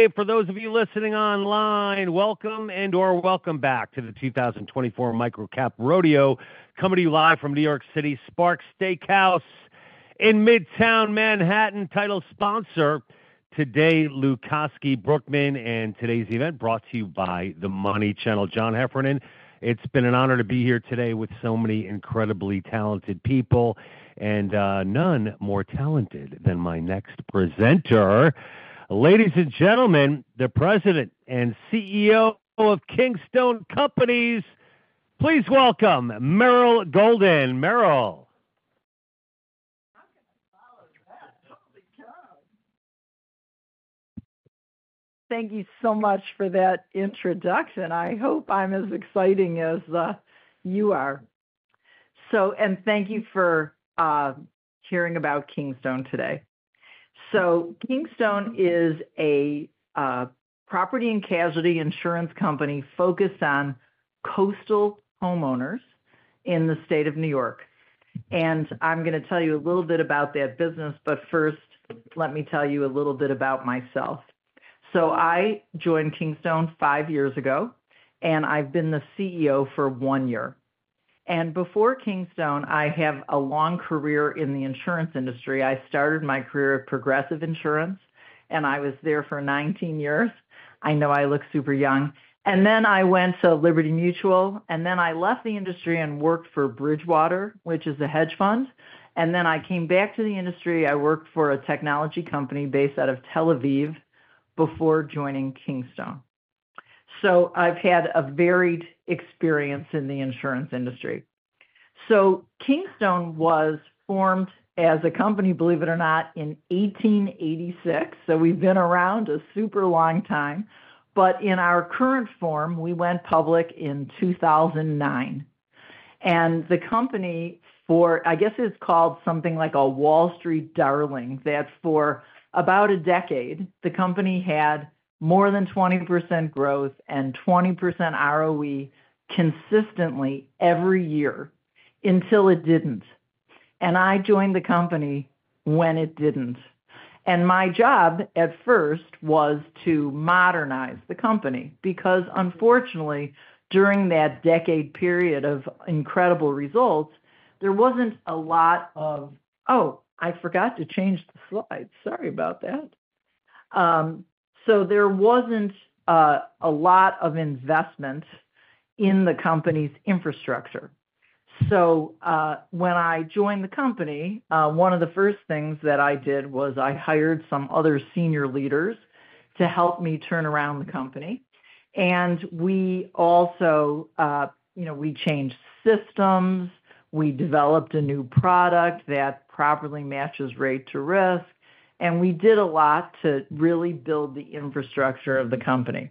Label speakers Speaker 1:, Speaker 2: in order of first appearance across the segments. Speaker 1: Hey, for those of you listening online, welcome and or welcome back to the 2024 MicroCap Rodeo, coming to you live from New York City, Sparks Steak House in Midtown Manhattan. Title sponsor, today, Lucosky Brookman, and today's event brought to you by The Money Channel, John Heffernan. It's been an honor to be here today with so many incredibly talented people and, none more talented than my next presenter. Ladies and gentlemen, the President and CEO of Kingstone Companies, please welcome Meryl Golden. Meryl.
Speaker 2: How can I follow that? Oh, my God! Thank you so much for that introduction. I hope I'm as exciting as you are. So, and thank you for hearing about Kingstone today. So Kingstone is a property and casualty insurance company focused on coastal homeowners in the state of New York. And I'm gonna tell you a little bit about that business, but first, let me tell you a little bit about myself. So I joined Kingstone five years ago, and I've been the CEO for one year. And before Kingstone, I have a long career in the insurance industry. I started my career at Progressive Insurance, and I was there for nineteen years. I know, I look super young. And then I went to Liberty Mutual, and then I left the industry and worked for Bridgewater, which is a hedge fund. And then I came back to the industry. I worked for a technology company based out of Tel Aviv before joining Kingstone. So I've had a varied experience in the insurance industry. So Kingstone was formed as a company, believe it or not, in 1886, so we've been around a super long time, but in our current form, we went public in 2009. And the company for-- I guess it's called something like a Wall Street darling. That's for about a decade, the company had more than 20% growth and 20% ROE consistently every year, until it didn't. And I joined the company when it didn't. And my job, at first, was to modernize the company because unfortunately, during that decade period of incredible results, there wasn't a lot of... Oh, I forgot to change the slide. Sorry about that. So there wasn't a lot of investment in the company's infrastructure. So when I joined the company, one of the first things that I did was I hired some other senior leaders to help me turn around the company, and we also, you know, we changed systems, we developed a new product that properly matches rate to risk, and we did a lot to really build the infrastructure of the company.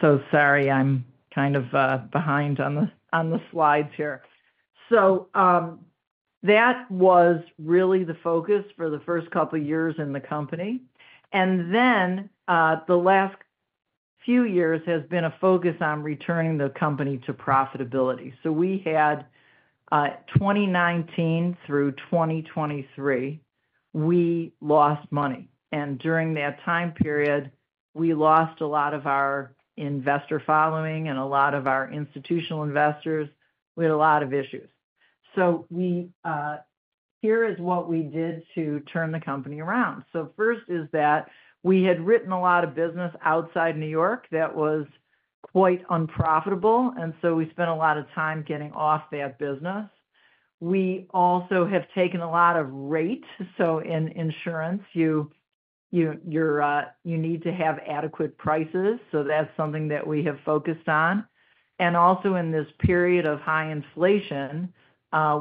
Speaker 2: So sorry, I'm kind of behind on the slides here. So that was really the focus for the first couple of years in the company. And then the last few years has been a focus on returning the company to profitability. So we had 2019 through 2023, we lost money, and during that time period, we lost a lot of our investor following and a lot of our institutional investors. We had a lot of issues. Here is what we did to turn the company around. First is that we had written a lot of business outside New York that was quite unprofitable, and so we spent a lot of time getting off that business. We also have taken a lot of rate, so in insurance, you need to have adequate prices, so that's something that we have focused on. And also in this period of high inflation,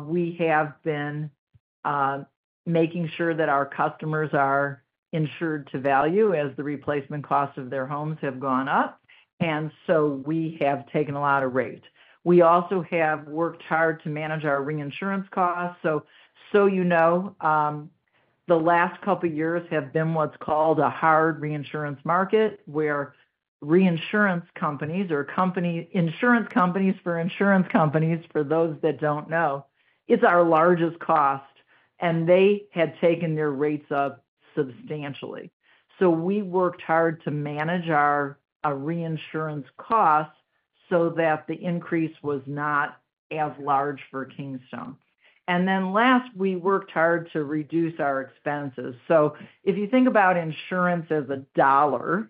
Speaker 2: we have been making sure that our customers are insured to value as the replacement cost of their homes have gone up, and so we have taken a lot of rate. We also have worked hard to manage our reinsurance costs. So you know, the last couple of years have been what's called a hard reinsurance market, where reinsurance companies or insurance companies for insurance companies, for those that don't know, it's our largest cost, and they had taken their rates up substantially. So we worked hard to manage our reinsurance costs so that the increase was not as large for Kingstone. And then last, we worked hard to reduce our expenses. So if you think about insurance as a dollar,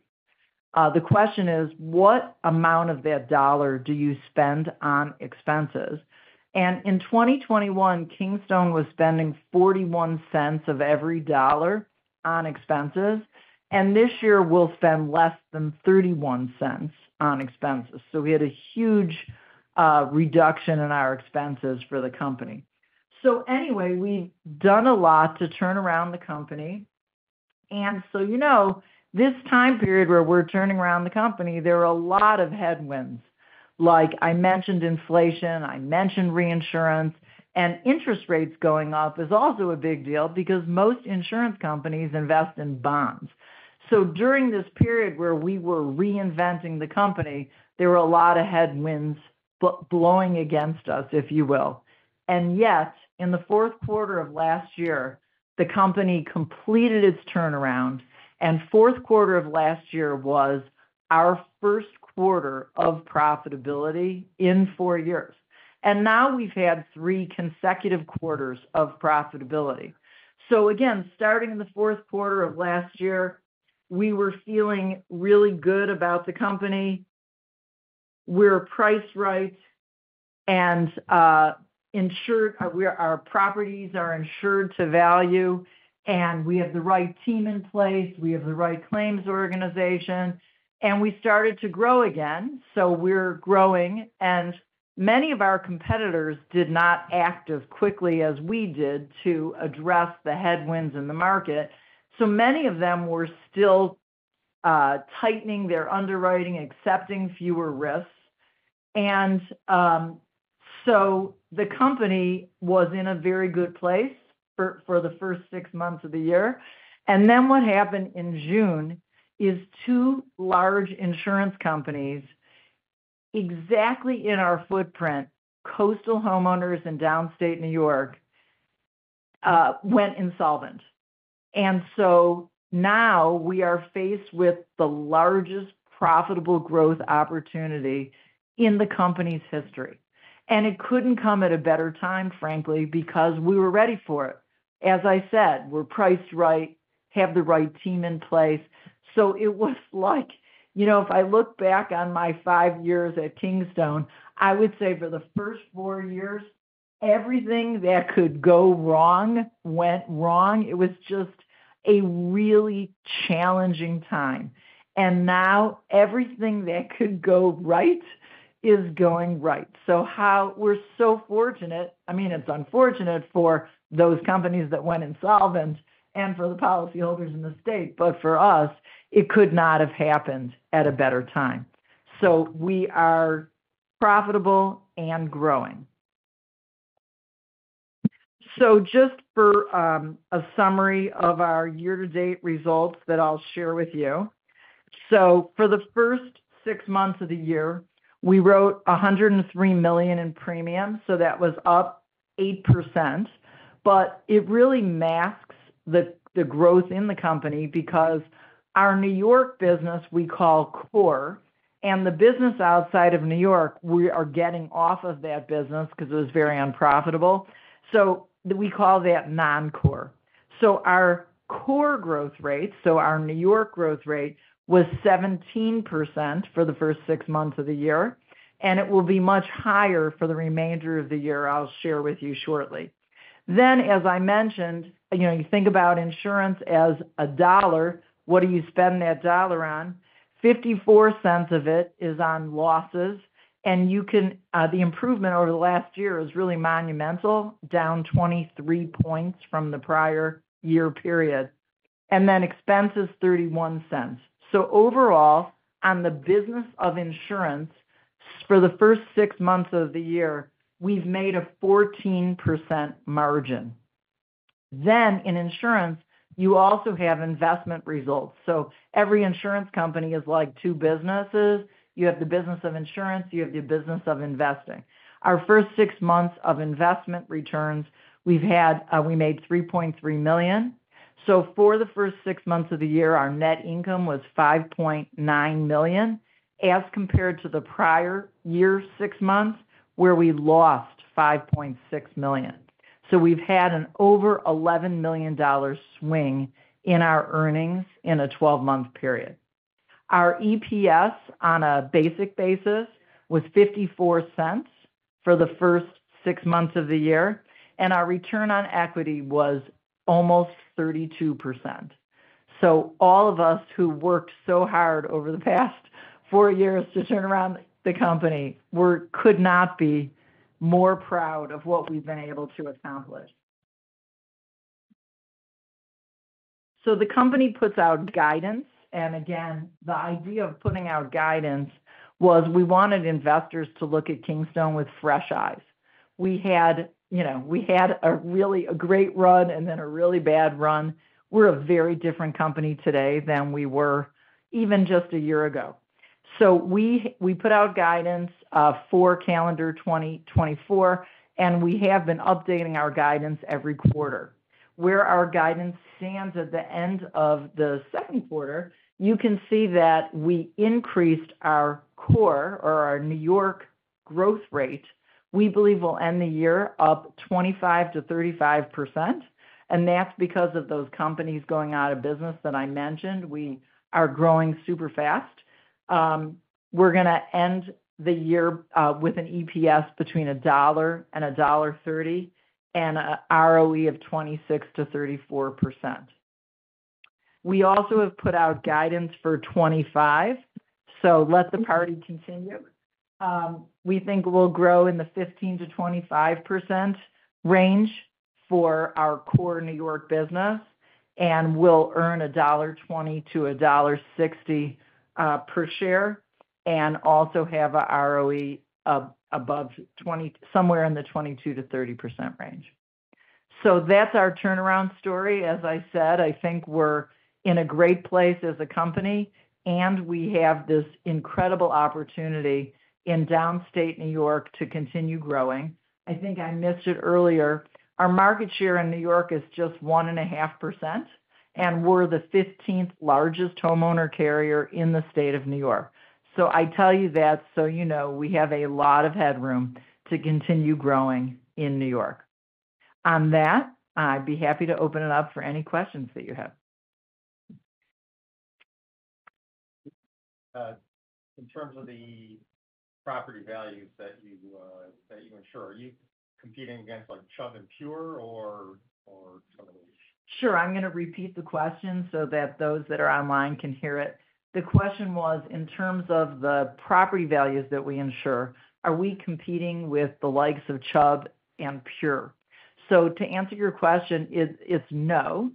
Speaker 2: the question is, what amount of that dollar do you spend on expenses? And in twenty twenty-one, Kingstone was spending $0.41 of every dollar on expenses, and this year, we'll spend less than $0.31 on expenses. So we had a huge reduction in our expenses for the company. So anyway, we've done a lot to turn around the company. And so you know, this time period where we're turning around the company, there are a lot of headwinds. Like I mentioned inflation, I mentioned reinsurance, and interest rates going up is also a big deal because most insurance companies invest in bonds. So during this period where we were reinventing the company, there were a lot of headwinds blowing against us, if you will. And yet, in the fourth quarter of last year, the company completed its turnaround, and fourth quarter of last year was our first quarter of profitability in four years. And now we've had three consecutive quarters of profitability. So again, starting in the fourth quarter of last year, we were feeling really good about the company. We're priced right and insured, our properties are insured to value, and we have the right team in place, we have the right claims organization, and we started to grow again. So we're growing, and many of our competitors did not act as quickly as we did to address the headwinds in the market. So many of them were still tightening their underwriting, accepting fewer risks. And so the company was in a very good place for the first six months of the year. And then what happened in June is two large insurance companies, exactly in our footprint, coastal homeowners in downstate New York, went insolvent. And so now we are faced with the largest profitable growth opportunity in the company's history. It couldn't come at a better time, frankly, because we were ready for it. As I said, we're priced right, have the right team in place. It was like, you know, if I look back on my five years at Kingstone, I would say for the first four years, everything that could go wrong, went wrong. It was just a really challenging time. And now everything that could go right is going right. We're so fortunate. I mean, it's unfortunate for those companies that went insolvent and for the policyholders in the state, but for us, it could not have happened at a better time. We are profitable and growing. Just for a summary of our year-to-date results that I'll share with you. For the first six months of the year, we wrote $103 million in premium, so that was up 8%. But it really masks the growth in the company because our New York business, we call core, and the business outside of New York, we are getting out of that business 'cause it was very unprofitable. So we call that non-core. So our core growth rate, so our New York growth rate, was 17% for the first six months of the year, and it will be much higher for the remainder of the year. I'll share with you shortly. Then, as I mentioned, you know, you think about insurance as a dollar. What do you spend that dollar on? $0.54 of it is on losses, and you can, the improvement over the last year is really monumental, down 23 points from the prior year period. And then expense is $0.31. So overall, on the business of insurance, for the first six months of the year, we've made a 14% margin. Then in insurance, you also have investment results. So every insurance company is like two businesses. You have the business of insurance, you have the business of investing. Our first six months of investment returns, we've had, we made $3.3 million. So for the first six months of the year, our net income was $5.9 million, as compared to the prior year, six months, where we lost $5.6 million. So we've had an over $11 million swing in our earnings in a twelve-month period. Our EPS on a basic basis was $0.54 for the first six months of the year, and our return on equity was almost 32%. So all of us who worked so hard over the past four years to turn around the company could not be more proud of what we've been able to accomplish. So the company puts out guidance, and again, the idea of putting out guidance was we wanted investors to look at Kingstone with fresh eyes. We had, you know, we had a really, a great run and then a really bad run. We're a very different company today than we were even just a year ago. So we put out guidance for calendar 2024, and we have been updating our guidance every quarter. Where our guidance stands at the end of the second quarter, you can see that we increased our core or our New York growth rate. We believe we'll end the year up 25%-35%, and that's because of those companies going out of business that I mentioned. We are growing super fast. We're gonna end the year with an EPS between $1 and $1.30, and a ROE of 26%-34%. We also have put out guidance for twenty-five, so let the party continue. We think we'll grow in the 15%-25% range for our core New York business, and we'll earn $1.20-$1.60 per share, and also have a ROE of above twenty, somewhere in the 22%-30% range. So that's our turnaround story. As I said, I think we're in a great place as a company, and we have this incredible opportunity in downstate New York to continue growing. I think I missed it earlier. Our market share in New York is just 1.5%, and we're the fifteenth largest homeowners carrier in the state of New York. So I tell you that, so you know, we have a lot of headroom to continue growing in New York. On that, I'd be happy to open it up for any questions that you have. In terms of the property values that you insure, are you competing against, like, Chubb and PURE or, or some of these? Sure. I'm gonna repeat the question so that those that are online can hear it. The question was, in terms of the property values that we insure, are we competing with the likes of Chubb and PURE? So to answer your question, it's no.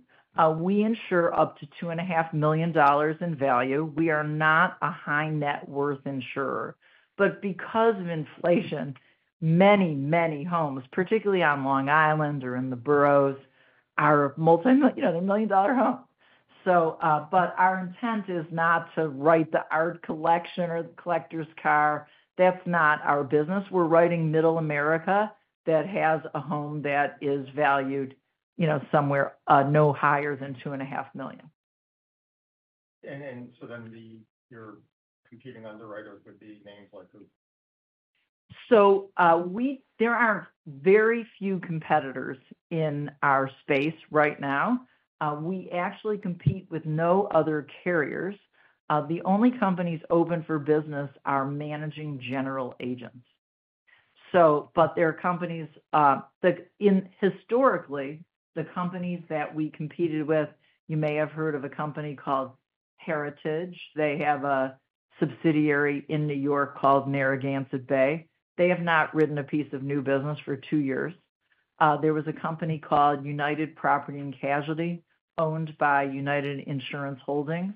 Speaker 2: We insure up to $2.5 million in value. We are not a high net worth insurer, but because of inflation, many, many homes, particularly on Long Island or in the boroughs, are multi-million, you know, they're million-dollar homes. So, but our intent is not to write the art collection or the collector's car. That's not our business. We're writing Middle America that has a home that is valued, you know, somewhere, no higher than $2.5 million. Your competing underwriters would be names like who? There are very few competitors in our space right now. We actually compete with no other carriers. The only companies open for business are managing general agents. But there are companies that historically, the companies that we competed with, you may have heard of a company called Heritage. They have a subsidiary in New York called Narragansett Bay. They have not written a piece of new business for two years. There was a company called United Property and Casualty, owned by United Insurance Holdings.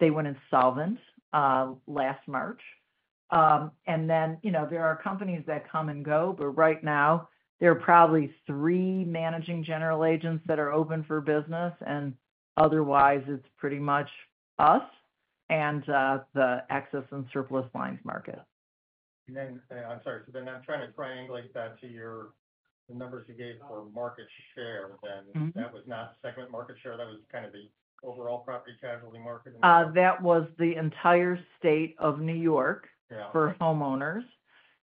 Speaker 2: They went insolvent last March. And then, you know, there are companies that come and go, but right now, there are probably three managing general agents that are open for business, and otherwise, it's pretty much us and the excess and surplus lines market. And then, I'm sorry, so then I'm trying to triangulate that to your, the numbers you gave for market share then. Mm-hmm. That was not segment market share. That was kind of the overall property casualty market? That was the entire state of New York- Yeah - for homeowners.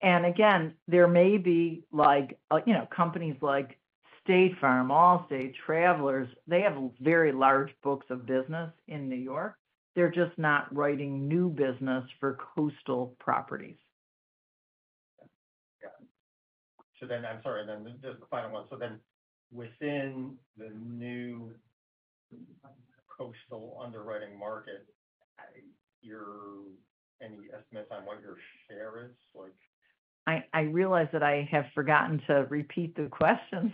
Speaker 2: And again, there may be like, you know, companies like State Farm, Allstate, Travelers, they have very large books of business in New York. They're just not writing new business for coastal properties. Yeah. So then, I'm sorry, then, just the final one. So then, within the new coastal underwriting market, any estimates on what your share is like? I realize that I have forgotten to repeat the question.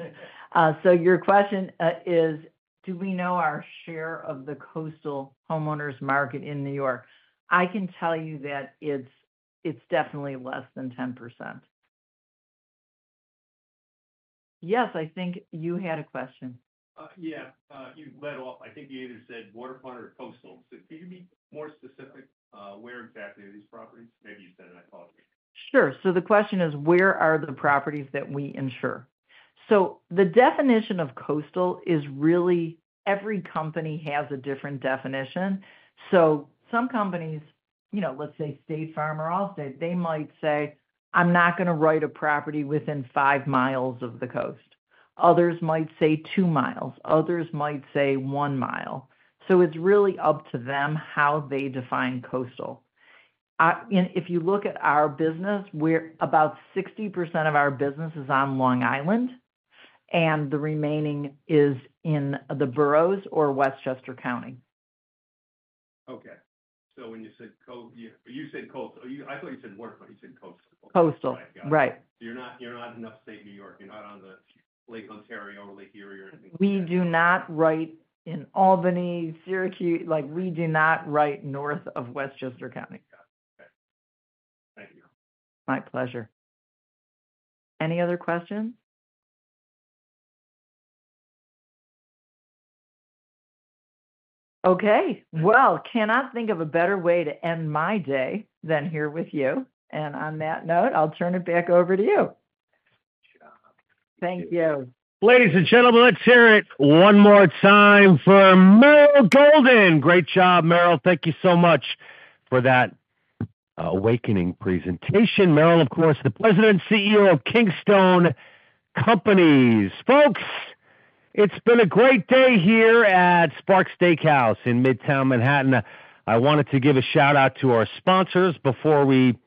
Speaker 2: So your question is: do we know our share of the coastal homeowners market in New York? I can tell you that it's definitely less than 10%. Yes, I think you had a question. Yeah. You led off, I think you either said waterfront or coastal. So can you be more specific, where exactly are these properties? Maybe you said it, and I apologize. Sure. So the question is, where are the properties that we insure? So the definition of coastal is really, every company has a different definition. So some companies, you know, let's say State Farm or Allstate, they might say, "I'm not gonna write a property within five miles of the coast." Others might say two miles, others might say one mile. So it's really up to them how they define coastal. And if you look at our business, we're about 60% of our business is on Long Island, and the remaining is in the boroughs or Westchester County. Okay. So when you said coastal, you, I thought you said waterfront, you said coastal. Coastal. Got it. Right. You're not in upstate New York, you're not on the Lake Ontario or Lake Erie or anything? We do not write in Albany, Syracuse, like, we do not write north of Westchester County. Got it. Okay. Thank you. My pleasure. Any other questions? Okay, well, I cannot think of a better way to end my day than here with you. And on that note, I'll turn it back over to you. Good job. Thank you.
Speaker 1: Ladies and gentlemen, let's hear it one more time for Meryl Golden! Great job, Meryl. Thank you so much for that awakening presentation. Meryl, of course, the President, CEO of Kingstone Companies. Folks, it's been a great day here at Sparks Steak House in Midtown Manhattan. I wanted to give a shout-out to our sponsors before we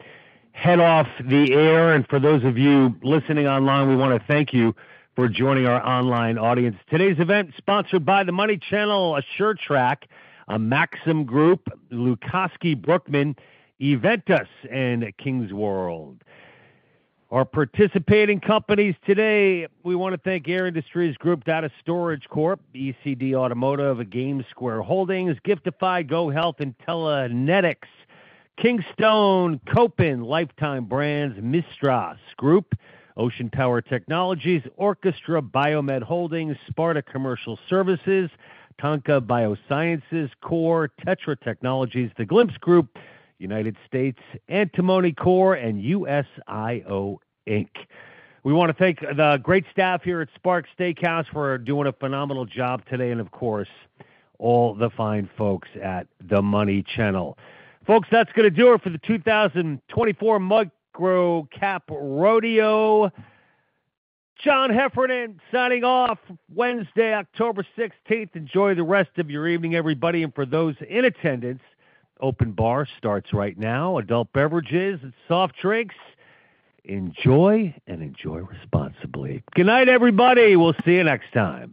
Speaker 1: head off the air, and for those of you listening online, we wanna thank you for joining our online audience. Today's event, sponsored by The Money Channel, Assurerack, Maxim Group, Lucosky Brookman, Eventus and Kingswood. Our participating companies today, we wanna thank Air Industries Group, Data Storage Corp, ECD Automotive, GameSquare Holdings, Giftify, GoHealth, Intellinetics, Kingstone, Kopin, Lifetime Brands, Mistras Group, Ocean Power Technologies, Orchestra BioMed Holdings, Sparta Commercial Services, Tanke Biosciences, Core, Tetra Technologies, The Glimpse Group, United States Antimony Corp, and USIO Inc. We wanna thank the great staff here at Sparks Steak House for doing a phenomenal job today, and of course, all the fine folks at The Money Channel. Folks, that's gonna do it for the two thousand and twenty-four MicroCap Rodeo. John Heffernan signing off, Wednesday, October sixteenth. Enjoy the rest of your evening, everybody, and for those in attendance, open bar starts right now, adult beverages and soft drinks. Enjoy, and enjoy responsibly. Good night, everybody. We'll see you next time.